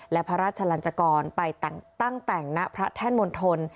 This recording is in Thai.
และพระราชลัจกรไปตั้งนะพระแท่นมนตร